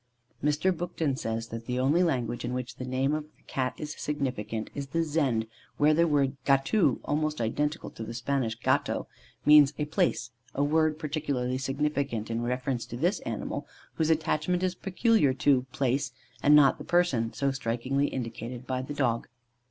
Mr. Buchton says, that "the only language in which the name of the Cat is significant, is the Zend, where the word Gatu, almost identical with the Spanish Gato, means a place a word peculiarly significant in reference to this animal, whose attachment is peculiar to place, and not to the person, so strikingly indicated by the dog."